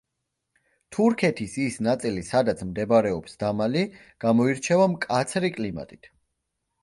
თურქეთის ის ნაწილი სადაც მდებარეობს დამალი გამოირჩევა მკაცრი კლიმატით.